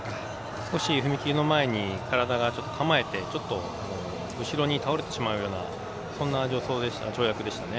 少し踏み切りの前に体が構えて後ろに倒れてしまうような、そんな跳躍でしたね。